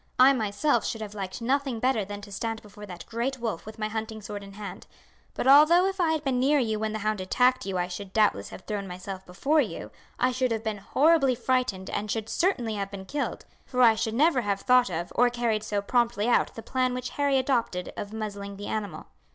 I myself should have liked nothing better than to stand before that great wolf with my hunting sword in my hand; but although if I had been near you when the hound attacked you, I should doubtless have thrown myself before you, I should have been horribly frightened and should certainly have been killed; for I should never have thought of or carried so promptly out the plan which Harry adopted of muzzling the animal.